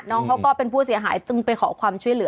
น้องเขาก็เป็นผู้เสียหายจึงไปขอความช่วยเหลือ